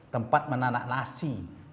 tempat menanak nasi